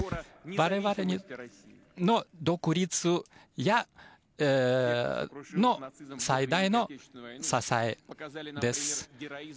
我々の独立の最大の支えです。